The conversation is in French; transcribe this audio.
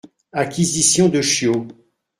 - Acquisition de Chio.